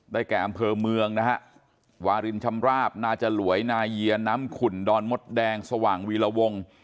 แก่อำเภอเมืองนะฮะวารินชำราบนาจลวยนาเยียน้ำขุ่นดอนมดแดงสว่างวีรวง